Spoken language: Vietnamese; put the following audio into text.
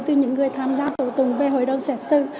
từ những người tham gia tố tùng về hội đồng xét xử